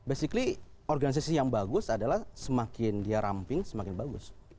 basically organisasi yang bagus adalah semakin dia ramping semakin bagus